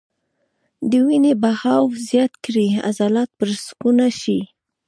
د وينې بهاو زيات کړي عضلات پرسکونه شي -